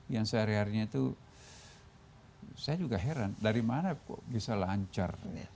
yang sehari harinya itu saya juga heran dari mana kok bisa lancar